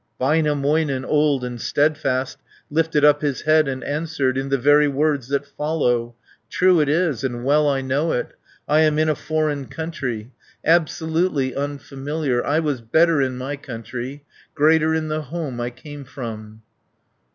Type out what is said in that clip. Väinämöinen, old and steadfast, Lifted up his head and answered In the very words that follow: "True it is, and well I know it, I am in a foreign country, Absolutely unfamiliar. 200 I was better in my country, Greater in the home I came from."